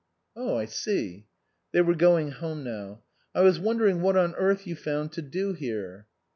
" Oh, I see." (They were going home now.) " I was wondering what on earth you found to do here."